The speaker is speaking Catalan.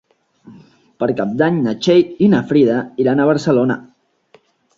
Per Cap d'Any na Txell i na Frida iran a Barcelona.